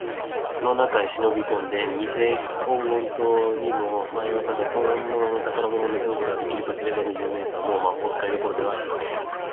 この中へしのびこんで、にせ黄金塔にもまよわされず、ほんものの宝物をぬすむことができるとすれば、二十面相は、もう魔法使いどころではありません。